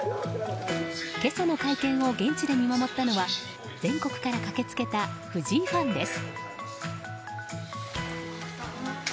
今朝の会見を現地で見守ったのは全国から駆け付けた藤井ファンです。